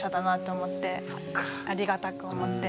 ありがたく思って。